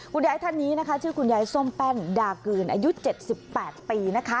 คุณยายท่านนี้นะคะชื่อคุณยายส้มแป้นดากลืนอายุ๗๘ปีนะคะ